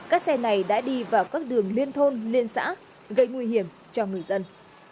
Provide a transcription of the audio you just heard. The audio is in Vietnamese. các xe này đã đi vào các đường liên thôn liên xã gây nguy hiểm cho người dân